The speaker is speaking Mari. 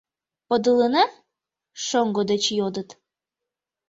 — Подылына? — шоҥго деч йодыт.